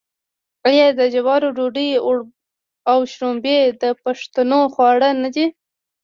آیا د جوارو ډوډۍ او شړومبې د پښتنو خواړه نه دي؟